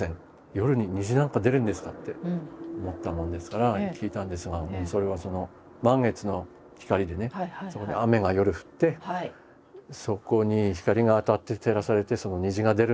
夜に虹なんか出るんですか？」って思ったものですから聞いたんですが「それは満月の光でねそこに雨が夜降ってそこに光が当たって照らされて虹が出るんだよ」と。